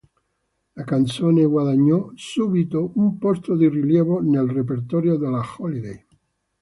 La canzone guadagnò subito un posto di rilievo nel repertorio della Holiday.